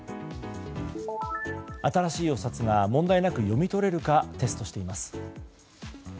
新しいお札が問題なく読み取れるかテストしています。